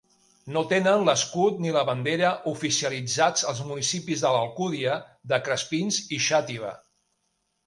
No tenen l'escut ni la bandera oficialitzats els municipis de l'Alcúdia de Crespins i Xàtiva.